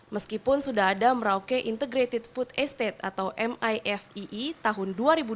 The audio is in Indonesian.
meskipun sudah ada merauke integrated food estate atau mifee tahun dua ribu dua puluh